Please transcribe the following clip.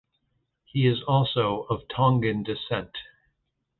He is also of Tongan descent.